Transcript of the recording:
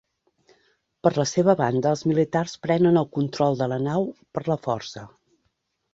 Per la seva banda, els militars prenen el control de la nau per la força.